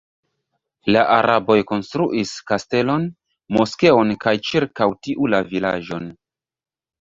La araboj konstruis kastelon, moskeon kaj ĉirkaŭ tiu la vilaĝon.